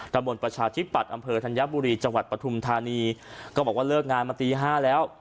บนประชาธิปัตย์อำเภอธัญบุรีจังหวัดปฐุมธานีก็บอกว่าเลิกงานมาตีห้าแล้ว